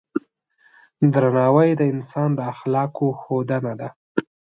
درناوی د انسان د اخلاقو ښودنه ده.